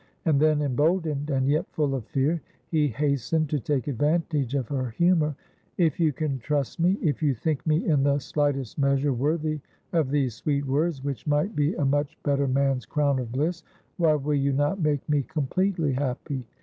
And then, emboldened, and yet full of fear, he hastened to take advantage of her humour. ' If you can trust me ; if you think me in the slightest measure worthy of these sweet words, which might be a much better man's crown of bliss, why will you not make me completely happy